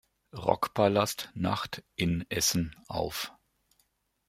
Rockpalast Nacht in Essen auf.